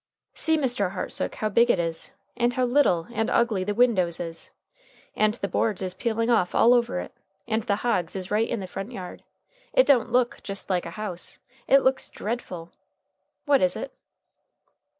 "See, Mr. Hartsook, how big it is, and how little and ugly the windows is! And the boards is peeling off all over it, and the hogs is right in the front yard. It don't look just like a house. It looks dreadful. What is it?"